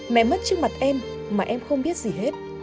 mẹ mất trước mặt em mà em không biết gì hết